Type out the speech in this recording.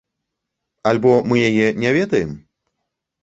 Альбо мы яе не ведаем?